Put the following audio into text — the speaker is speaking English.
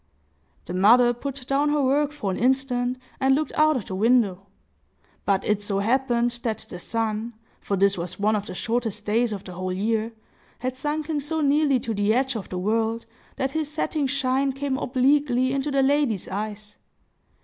The mother put down her work for an instant, and looked out of the window. But it so happened that the sun—for this was one of the shortest days of the whole year—had sunken so nearly to the edge of the world that his setting shine came obliquely into the lady's eyes.